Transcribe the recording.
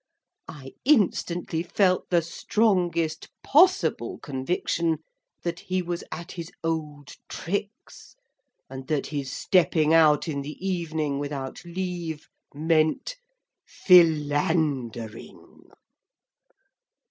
I instantly felt the strongest possible conviction that he was at his old tricks: and that his stepping out in the evening, without leave, meant—Philandering.